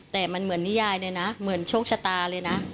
แต่มันเหมือนนิยายเลยนะเหมือนโชคชะตาเลยนะ